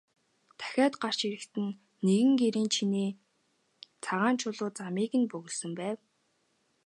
Дахиад гарч ирэхэд нь нэгэн гэрийн чинээ цагаан чулуу замыг нь бөглөсөн байв.